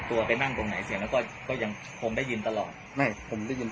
ตอนนั้นมองบ้านนี้ก็ไม่มีคนไม่มีคน